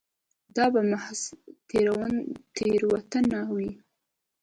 دا به محض تېروتنه وي.